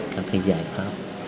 các giải pháp